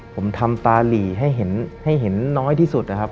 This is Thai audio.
ผมทำตาหลีให้เห็นน้อยที่สุดนะครับ